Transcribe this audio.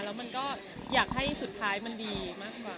แล้วมันก็อยากให้สุดท้ายมันดีมากกว่า